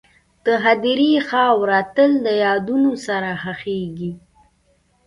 د هدیرې خاوره تل د یادونو سره ښخېږي..